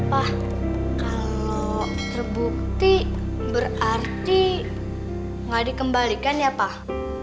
pak kalau terbukti berarti gak dikembalikan ya pak